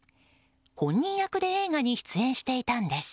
本人役で映画に出演していたんです。